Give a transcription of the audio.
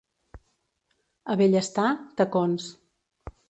A Bellestar, tacons.